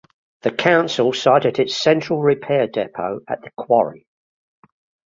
The Council sited its Central Repair Depot at the quarry.